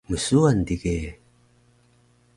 Msuwan dige